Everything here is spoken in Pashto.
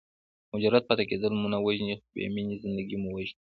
مجرد پاتې کېدل مو نه وژني خو بې مینې زندګي مو وژني.